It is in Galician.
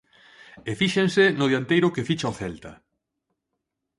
E fíxense no dianteiro que ficha o Celta.